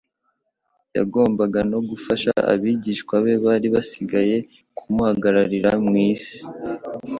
yagombaga no gufasha abigishwa be bari bagiye kumuhagararira mu isi